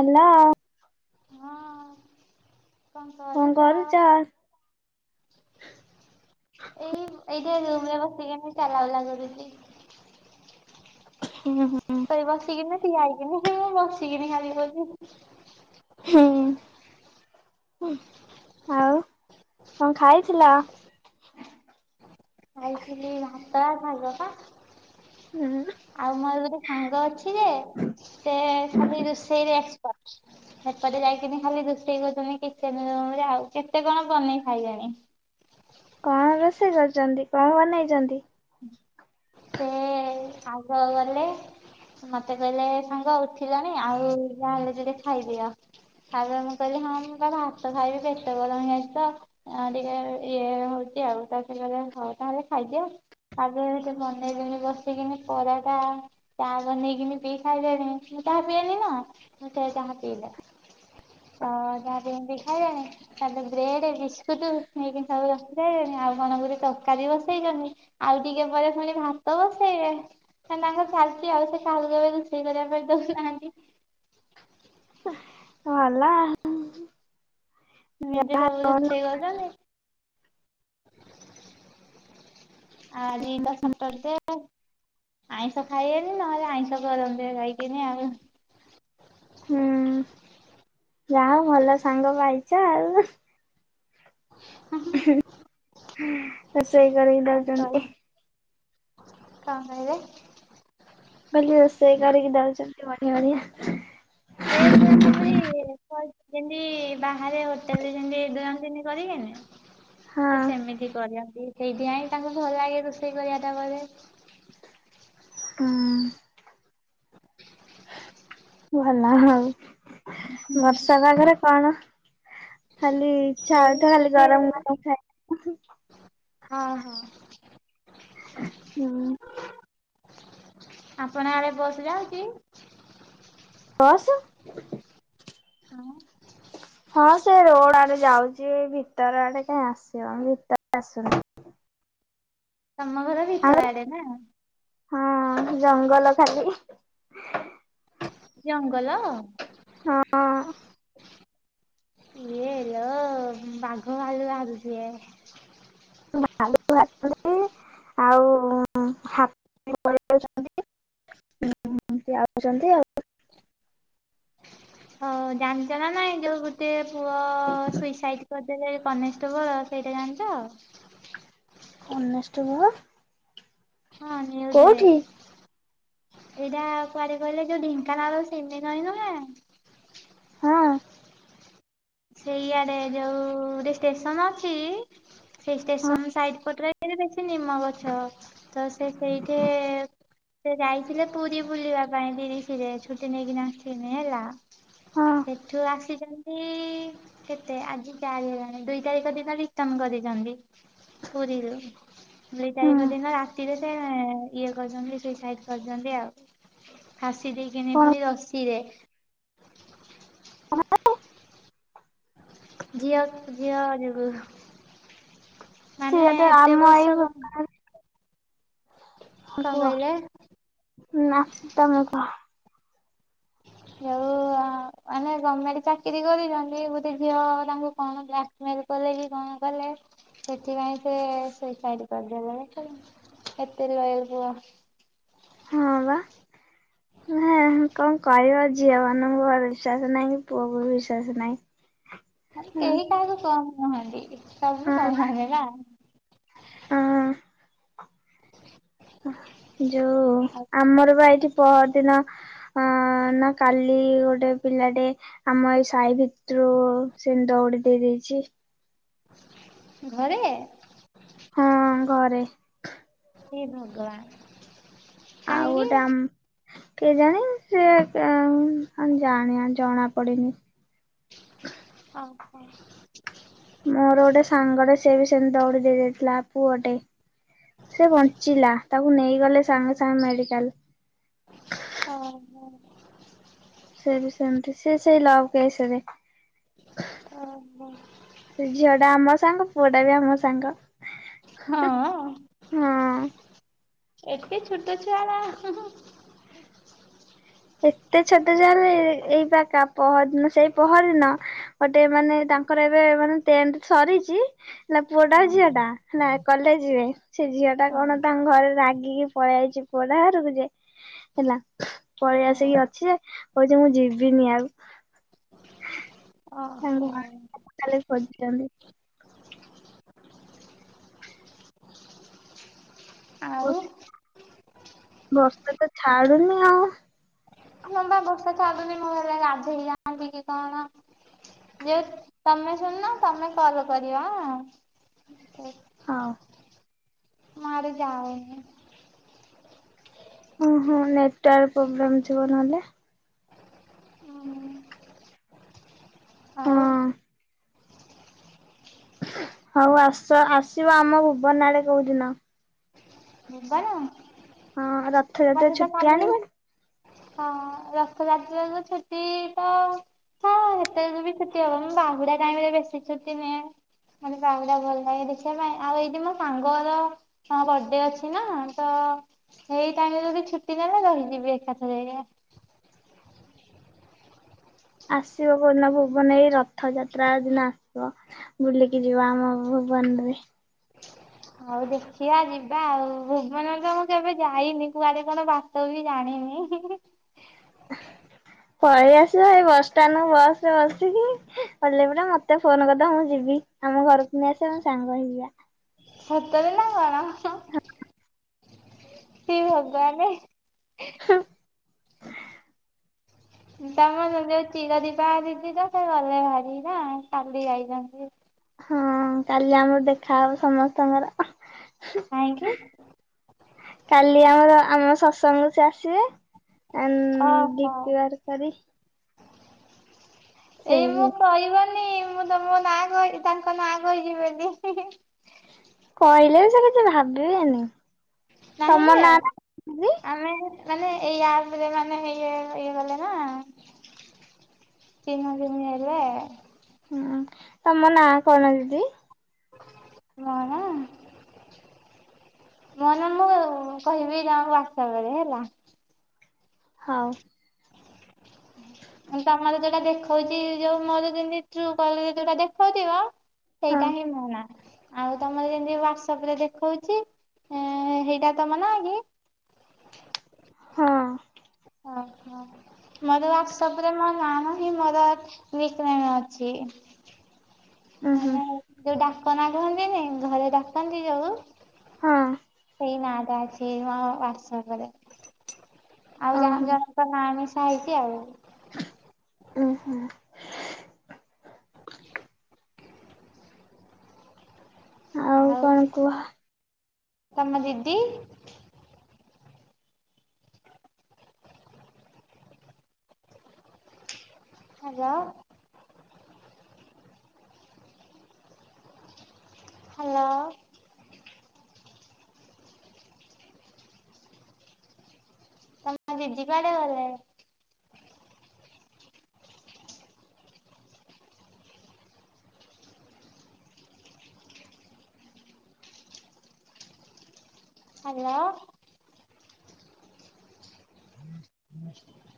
Hello. ହଁ, କଣ କରୁଛ? [inaudible] ଏଇ ଏଇଠି ରୁମ ରେ ବସିକି ଚାଲାବୁଲା କରୁଥିଲି। ହୁଁ ହୁଁ। ବସିକିନି ହେଇକିନି ମୁଁ ବସିକିନି ଖାଲି କଲି [unintelligible] ହୁଁ, ଆଉ କଣ ଖାଇଥିଲ? ଖାଇଥିଲି ଭାତ ଡାଲମା। ହୁଁ। ଆଉ ମୋର ଗୋଟେ ସାଙ୍ଗ ଅଛି ଯେ, ସେ ଖାଲି ରୋଷେଇରେ ଏକ୍ସପଟ୍। ସେପଟେ ଯାଇକିନି ଖାଲି ରୋଷେଇ କରୁଛନ୍ତି କିଚେନ୍ ରୁମ୍ ରେ, ଆଉ କେତେ କଣ ବନେଇ ସାରିଲଣି। କଣ ରୋଷେଇ କରିଛନ୍ତି? କଣ ବନେଇଛନ୍ତି? ସେ ଆଗ ଗଲେ। ମତେ କହିଲେ ସାଙ୍ଗ ଉଠିଲଣି, ଆଉ ଯାହା ହେଲେ ଯୋଡ଼େ ଖାଇଦିଅ। ତାପରେ, ମୁଁ କହିଲି ହଁ ମୁଁ ତ ଭାତ ଖାଇବି, ପେଟ ଗରମ ହେଇଯାଇଛି ତ। ଆ ଟିକେ ଇଏ ହଉଛି, ଆଉ ତାପରେ ସିଏ କହିଲେ, ହଉ ତାହେଲେ ଖାଇଦିଅ। ଆଜି ଖାଲି ସେ ବନେଇଲେଣି ବସିକିନି ପରଟା। ଚାହା ବନେଇକିନି ପିଇ ସାଇଲେଣି, ମୁଁ ଚାହା ପିଏନି ନା, ସେ ତାଙ୍କର ପିଇଲେ। ତ ଯାହାମିତିଖାାଣି [unintelligible] ତାପରେ ବ୍ରେଡ, ବିସ୍କୁଟ ନେଇକି ସବୁ ରଖିସାରିଲେଣି, ଆଉ କଣ ଗର ତରକାରୀ ବସେଇଛନ୍ତି। ଆଉ ଟିକେ ପରେ ପୁଣି ଭାତ ବସେଇବେ। ତାଙ୍କର ଚାଲିଛି ଆଉ, ସେ କାହାକୁ କେବେ ରୋଷେଇ କରିବା ପାଇଁ ଦଉନାହାନ୍ତି। ଭଲ ଆଉ। ନିଜେ ସବୁ ରୋଷେଇ କରୁଛନ୍ତି। ଆଜିିତ ସଟର୍ଡେ। ଆଇଁଷ ଖାଇବେନି, ନହେଲେ ଆଇଁଷ କରନ୍ତି ଜାଇକିନି ଆଉ। ହୁଁ ଯାହା ହୋଉ ଭଲ ସାଙ୍ଗ ପାଇଛ ଆଉ। ରୋଷେଇ କରିକି କଣ କହିଲେ ଦଉଛନ୍ତି। କଣ କହିଲେ? କହିଲି ରୋଷେଇ କରିକି ଦଉଛନ୍ତି ବଢିଆ ବଢିଆ। ସେ [inaudible] ଯେମତି ବାହାରେ ହୋଟେଲରେ ଯେମତି ଦିଅନ୍ତିନି କରିକିନି। ହଁ ସେ ସେମିତି କରନ୍ତି, ସେଇଥିପାଇଁ ତାଙ୍କୁ ଭଲ ଲାଗେ ରୋଷେଇ କରିବାଟା ବଧେ। ହୁଁ ହ [inaudible] ଭଲ ହଉ ବର୍ଷାପାଗରେ କଣ? ଖାଲି ସେଇ ଚାହାଟା ଖାଲି ବୋଧେ ଗରମ ଗରମ ଖାଏ। ହଁ ହଁ। ହୁଁ। ଆପଣଙ୍କ ଆଡେ ବସ୍ ଯାଉଛି। ବସ୍! ହଁ ହଁ ସେ ରୋଡ ଆଡେ ଯାଉଛି, ଭିତର ଆଡେ କାହିଁ ଆସିବ, ଭିତରେ ଆସୁନି। ତମ ଘରେ ଶୀତ ଆମର ଲାଗେ ନା? ହଁ ଜଙ୍ଗଲ ଖାଲି। ଜଙ୍ଗଲ? ହଁ। ଇଏ ଲୋ ବାଘ ଭାଲୁ ବାହାରିଯିବେ। [inaudible] [inaudible] ସେ ଆସୁଚନ୍ତି ଆଉ। ହଉ ଜାଣିଚ ନା ନାଇଁ ଯଉ ଗୋଟେ ପୁଅ ସୁଇସାଇଡ୍ କରି ସେ ଜଣେ କନେଷ୍ଟବଳ ସେଇଟା ଜାଣିଚ? କନେଷ୍ଟେବଳ। ହଁ ନ୍ୟୁଜ୍ ରେ। ଏଇଟା କୁଆଡେ କହିଲେ ଯଉ ଢେଙ୍କାନାଳ ସିମିନଇ ନୁହେଁ ହଁ। ହେଇଆଡେ ଯଉ ଷ୍ଟେସନ ଅଛି ସେଇ ହଁ ଷ୍ଟେସନ ସାଇଡ୍ ପଟରେ ସେରା ବେଶୀ ନିମ ଗଛ ତ ସେ ସେଇଠି ସେ ଯାଇଥିଲେ ପୁରୀ ବୁଲିବା ପାଇଁ ଦିରି ସିରେ ଛୁଟି ନେଇକିନା ଆସିନି ହେଲା। ହଁ ସେଠୁ ଆସିଚନ୍ତି କେତେ ଆଜି ଚାରି ହେଲାଣି ଦୁଇ ତାରିଖ ଦିନ ରିଟନ୍ କରିଚନ୍ତି। ପୁରୀ ରୁ। ଦୁଇ ତାରିଖ ହୁଁ ଦିନ ରାତିରେ ସେ ଇଏ କରିଚନ୍ତି ସୁଇସାଇଡ୍ କରିଚନ୍ତି ଆଉ। ଫାସି ଦେଇକିନି କଣ ପୁଣି ରଶିରେ। [inaudible] ଝିଅ- ଝିଅ ଯୋଗୁ। ମାନେ ସେଇଆ ତ ଏତେ ଆମ ବର୍ଷ କଣ [unintelligible] ହଁ- କୁହ କହିଲେ? ନା ତମେ କୁହ। ଯଉ ଆ ମାନେ ଗର୍ମେଣ୍ଟ୍ ଚାକିରି କରିଚନ୍ତି ଗୋଟେ ଝିଅ ତାଙ୍କୁ କଣ ବ୍ଲାକମେଲ୍ କଲେ କି କଣ କଲେ ସେଥିପାଇଁ ସେ ସୁଇସାଇଡ୍ କରିଦେଲେ କେତେ ଲୋୟାଲ୍ ପୁଅ। ହଁ ବା। ହଁ କଣ କହିବ ଝିଅ ମାନଙ୍କୁ ବିଶ୍ଵାସ ନାହିଁ କି ପୁଅଙ୍କୁ ବି ବିଶ୍ଵାସ ନାହିଁ। ହଁ ଆ- କେହି କାହାକୁ କମ୍ ନୁହନ୍ତି ଏ ସବୁ ବି ହଁ କମନ୍ ନା। ହଁ। ଯଉ ଆଉ ଆମର ବା ଏଇଠି ପର୍ ଦିନ ଅଁ- ନା କାଲି ଗୋଟେ ପିଲାଟେ ଆମ ଏଇ ସାଇ ଭିତରୁ ସେମିତି ଦଉଡି ଦେଇ ଦେଇଚି ଘରେ? ହଁ ଘରେ। ହେ ଭଗବାନ୍। ଆଉ ଗୋଟେ ଆମ୍ କେଜାଣି ସେ ଜାଣିବା- ଜଣା ପଡିନି। ଅ ହ। ମୋର ଗୋଟେ ସାଙ୍ଗଟେ ସିଏ ବି ସେମିତି ଦଉଡି ଦେଇ ଦେଇଥିଲା ପୁଅଟେ। ସେ ବଞ୍ଚିଲା ତାକୁ ନେଇଗଲେ ସାଙ୍ଗେ ସାଙ୍ଗେ ମେଡିକାଲ୍। [unintelligible] ସିଏ ବି ସେମତି ସିଏ ସେଇ ଲଭ୍ କେସ୍ ରେ। ଓହୋ। ସେ ଝିଅ ଟା ଆମ ସାଙ୍ଗ ପୁଅଟା ବି ଆମ ସାଙ୍ଗ। ହଁ ହଁ ଏତେ ଛୋଟ ଛୁଆରା। ଏତେ ଛୋଟ ଚାଲେ ଏଇ ବାକା ପହରଦିନ ସେଇ ପହରଦିନ। ଗୋଟେ ମାନେ ତାଙ୍କର ଏବେ ମାନେ ଟେନ୍ଥ ସରିଚି। ନା ପୁଅଟା ଝିଅ ଟା ନା କଲେଜ ଯିବେ ସେ ଝିଅ ଟା ହଁ କଣ ତାଙ୍କ ଘରେ ରାଗିକି ପଳେଇ ଆଇଚି ପୁଅଟା ଘରକୁ ଯେ ହେଲା ପଳେଇ ହଁ ଆସିକି ଅଛି ଯେ କହୁଚି ମୁଁ ଯିବିନି ଆଉ। ତାଙ୍କ ମା ଓହୋ ଖାଲି ଖୋଜିଚନ୍ତି। ପୋଛ୍। ଆଉ ବର୍ଷା ତ ଛାଡୁନି ଆଉ। ହଁ ବା ବର୍ଷା ତ ଆଗ ବି ମୁଁ ହେଲେ ଗାଧେଇ ଯାଆନ୍ତି କି କଣ। ଯେ ତମେ ଶୁଣୁନ ତମେ କଲ୍ କରିବ ଆଁ ମତେ। ହଉ। ମୁଁ ଆଡ଼େ ଯାଉନି। ଓହୋ ନେଟ୍‌ୱାର୍କ ପ୍ରୋବ୍ଲେମ୍ ଥିବ ନହେଲେ। ଆଉ ହଁ। ହୋଉ ଆସ ଆସିବ ଆମ ଭୁବନ ଆଡ଼େ କୋଉଦିନ। ଭୁବନ ହଁ ରଥଯାତ୍ରା ତାହେଲେ ତ ଛୁଟି କାଲି ଆଣିବ ହଁ ରଥଯାତ୍ରା ରେ ଛୁଟି ତ ହଁ ହେତେରେ ବି ଛୁଟି ହବ ମୁଁ ବାହୁଡା ଟାଇମ୍ ରେ ବେଶୀ ଛୁଟି ନିଏ। ମତେ ବାହୁଡ଼ା ଭଲ ଲାଗେ ଦେଖିବା ପାଇଁ, ଆଉ ଏଇଠି ମୋ ସାଙ୍ଗର ବର୍ଥଡେ ଅଛି। ଦିନ ତ ସେଇ ଟାଇମ୍ ରେ ଯଦି ଛୁଟି ନେଲେ ରହିଯିବି ଏକାଥରେ ଯାଏ। ଆସିବ କୋଉ ଦିନ ଭୁବନ ଏଇ ରଥଯାତ୍ରା ଦିନ ଆସିବ। ବୁଲିକି ଯିବ ଆମ ଭୁବନ ରେ। ଆଉ ଦେଖିବା ଯିବା ଆଉ, ଭୁବନ ତ ମୁଁ କେବେ ଯାଇନି। କୁଆଡେ କଣ ବା ତୁ ବି ଜାଣିନି। [inaudible] ପଳେଇ ଆସିବ ଏଇ ବସଷ୍ଟାଣ୍ଡ କୁ ବସ୍‌ରେ ବସିକି ଓଲେଇପଡିବ ମତେ ଫୋନ୍ କରିଦବ ମୁଁ ଯିବି। ଆମ ଘରକୁ ନେଇ ଆସିବା ଆମେ ସାଙ୍ଗ ହେଇକି ଯିବା। ସତରେ ନା କଣ? ହେ ଭଗବାନ। ହୁଁ। ତମର ଯୋଉ ଚିରାଦିପା ଦିଦି ତ ସେ ଗଲେ ଭାରି ନା କାଲି ଯାଇଛନ୍ତି। ହଁ କାଲି ଆମର ଦେଖାହବ ସମସ୍ତଙ୍କର। କାହିଁକି? କାଲି ଆମର ଆମ ଶତ୍ସଙ୍ଗ ସେ ଆସିବେ ଏ ଓହୋ। ଡିପିବାର କରି ସେଇ ଏଇ ମୁଁ କହିବନି ମୁଁ ତ ମୋ ନାଁ କହିି ତାଙ୍କ ନାଁ କହିଚି ବୋଲି। କହିଲେ ବି ସେ କିଛି ଭାବିବେନି। ନାହିଁ ତମ ଯେ ନାଁ ଟା ଦିଦି ଆମେ ମାନେ ଏଇୟା ପରେ ମାନେ ଇଏ ଇଏ ଗଲେ ନା। ତିନ ଦିନି ହେଲେ। ହୁଁ ତମ ନାଁ କଣ ଦିଦି? ମୋ ନାଁ। ମୋ ନା ମୁଁ କହିବି ଗାଁକୁ ଆସିଲା ପରେ ହେଲା। ହଉ। ତମର ଯୋଉଟା ଦେଖଉଛି ଯୋଉ ମୋର ଯେମିତି ଟ୍ରୁ କଲ ରେ ଯୋଉଟା ଦେଖଉଥିବ। ହଁ ସେଇଟା ହିଁ ମୋ ନାଁ। ଆଉ ତମର ଯେମିତି ହ୍ଵାଟସପ ରେ ଦେଖଉଛି ଅ ହେଇଟା ତମ ନାଁ କି? ହଁ। ଓହୋ। ମୋର ହ୍ଵାଟସ୍ଆପ ରେ ମୋ ନାମ ହିଁ ମୋର ନିକ୍ ନେମ୍ ଅଛି। ଉ ହୁଁ। ମାନେ ଯୋଉ ଡାକ ନାଁ କୁହନ୍ତିନି ଘରେ ଡାକନ୍ତି ଯୋଉ ହୁଁ। ସେଇ ନାଁଟା ଅଛି ମୋ ହ୍ଵାଟସ୍ଅପ୍ ରେ ଆଉ ଓହୋ ଜଣ ଜ କ ନାଁ ମିଶା ହେଇଚି ଆଉ। ଉ ହୁଁ। ଆଉ କଣ କୁହ? ତମ ଦିଦି। ହ୍ୟାଲୋ। ହ୍ୟାଲୋ। ତମ ଦିଦି କୁଆଡେ ଗଲେ? ହ୍ୟାଲୋ। ହଁ ହୁଁ